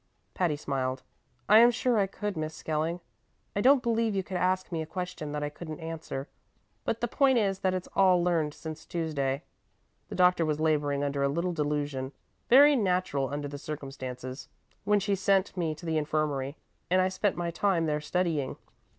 Patty smiled. "I am sure I could, Miss Skelling. I don't believe you could ask me a question that I couldn't answer. But the point is that it's all learned since Tuesday. The doctor was laboring under a little delusion very natural under the circumstances when she sent me to the infirmary, and I spent my time there studying."